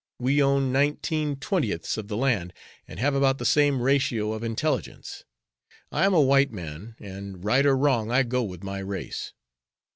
We own nineteen twentieths of the land, and have about the same ratio of intelligence. I am a white man, and, right or wrong, I go with my race."